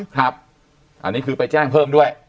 ครับอันนี้คือไปแจ้งเพิ่มด้วย